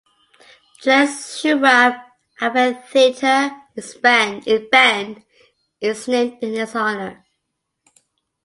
The Les Schwab Amphitheater in Bend is named in his honor.